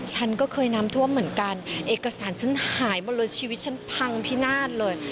ฉันก็เคยน้ำท่วมเหมือนกันเอกสารฉันหายหมดเลยชีวิตฉันพังพินาศเลย